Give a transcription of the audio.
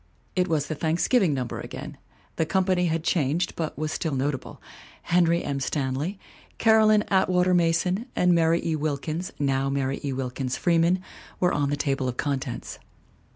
It was the Thanksgiv ing number again. The company had changed but was still notable; Henry M. Stanley, Caroline At GRACE S. RICHMOND 249 water Mason and Mary E. Wilkins, now Mary E. Wilkins Freeman, were on the table of contents.